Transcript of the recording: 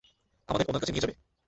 আমাদের ওনার কাছে নিয়ে যাবে?